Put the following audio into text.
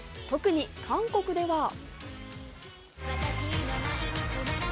特に韓国では。